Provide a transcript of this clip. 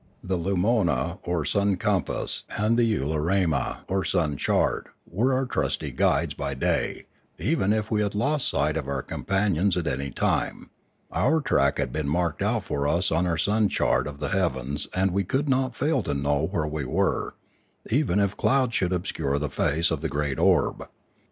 The lumona or sun compass and the ularema or sun chart were our trusty guides by day, even if we had lost sight A Warning 637 of our companions at any time; our track had been marked out for us on our sun chart of the heavens and we could not fail to know where we were, even if clouds should obscure the face of the great orb.